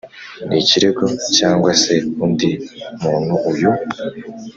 n ikirego cyangwa se undi muntu uyu